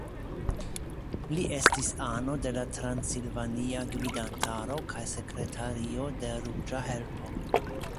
Li estis ano de la transilvania gvidantaro kaj sekretario de Ruĝa Helpo.